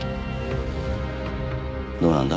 どうなんだ？